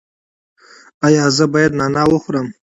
ایا زه باید نعناع وخورم؟